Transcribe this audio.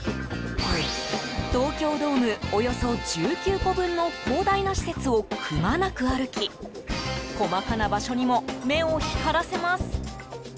東京ドームおよそ１９個分の広大な施設をくまなく歩き細かな場所にも目を光らせます。